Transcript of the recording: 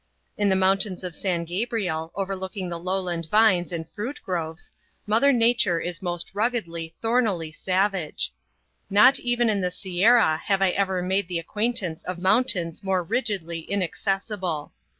In the mountains of San Gabriel, overlooking the lowland vines and fruit groves, Mother Nature is most ruggedly, thornily savage. Not even in the Sierra have I ever made the acquaintance of mountains more rigidly inaccessible.